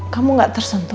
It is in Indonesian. kamu gak tersenyum